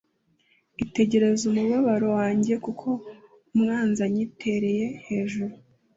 itegereze umubabaro wanjye, Kuko umwanzi anyitereye hejuru!”